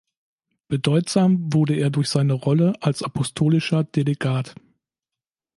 Bedeutsam wurde er durch seine Rolle als Apostolischer Delegat.